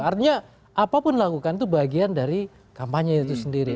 artinya apapun lakukan itu bagian dari kampanye itu sendiri